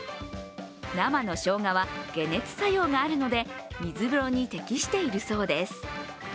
生のしょうがは解熱作用があるので、水風呂に適しているそうです。